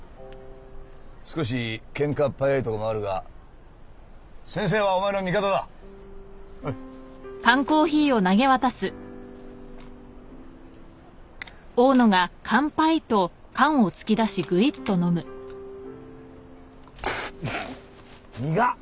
少しケンカっ早いところもあるが先生はお前の味方だ苦っ！